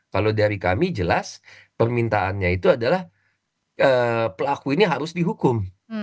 kalau dari kami jelas permintaannya itu adalah pelaku ini harus dihukum